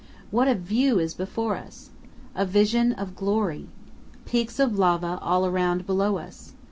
What a view is before us! A vision of glory! Peaks of lava all around below us.